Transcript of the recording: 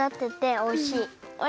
おいしい！